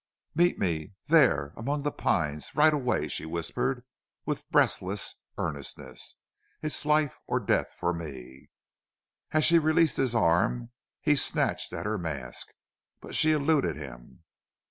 "Meet me there! among the pines right away!" she whispered, with breathless earnestness. "It's life or death for me!" As she released his arm he snatched at her mask. But she eluded him.